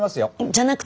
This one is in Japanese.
じゃなくて！